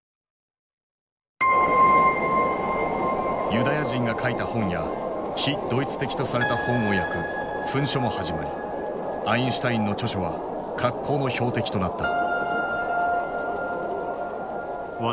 ユダヤ人が書いた本や「非ドイツ的」とされた本を焼く焚書も始まりアインシュタインの著書は格好の標的となった。